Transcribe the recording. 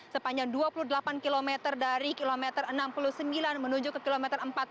sepanjang dua puluh delapan km dari kilometer enam puluh sembilan menuju ke kilometer empat puluh